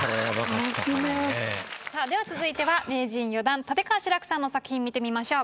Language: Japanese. さあでは続いては名人４段立川志らくさんの作品見てみましょう。